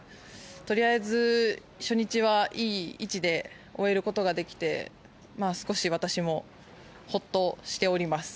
とりあえず、初日はいい位置で終えることができて少し、私もほっとしております。